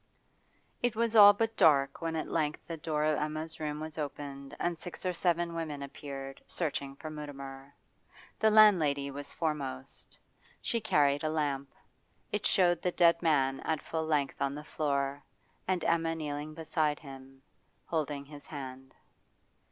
It was all but dark when at length the door of Emma's room was opened and six or seven women appeared, searching for Mutimer. The landlady was foremost; she carried a lamp. It showed the dead man at full length on the floor, and Emma kneeling beside him, holding his hand.